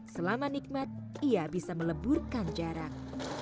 selama nikmat ia bisa meleburkan jarak